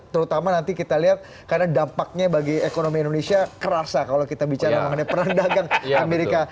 terutama nanti kita lihat karena dampaknya bagi ekonomi indonesia kerasa kalau kita bicara mengenai perang dagang amerika